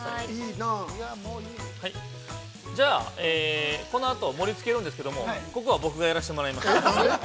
◆じゃあ、このあと盛りつけるんですけれども、ここは僕がやらせてもらいます。